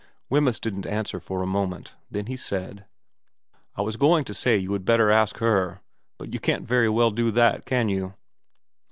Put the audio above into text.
Wemyss didn't answer for a moment. Then he said, 'I was going to say you had better ask her, but you can't very well do that, can you.'